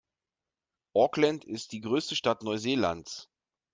Auckland ist die größte Stadt Neuseelands.